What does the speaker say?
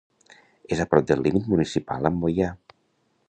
És a prop del límit municipal amb Moià.